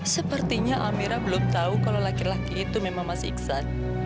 sepertinya amira belum tahu kalau laki laki itu memang masih iksan